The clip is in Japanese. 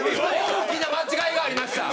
大きな間違いがありました！